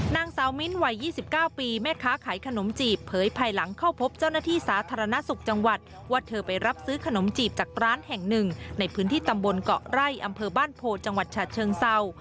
นางสาวมิ้นท์วัย๒๙ปีแม่ค้าขายขนมจีบเผยภายหลังเข้าพบเจ้าหน้าที่สาธารณสุขจังหวัดว่าเธอไปรับซื้อขนมจีบจากร้านแห่งหนึ่งในพื้นที่ตำบลเกาะไร่อำเภอบ้านโพจังหวัดฉะเชิงเศร้า